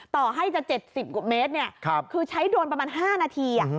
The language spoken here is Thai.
ต่อให้จะ๗๐กว่าเมตรคือใช้โดรนประมาณ๕นาที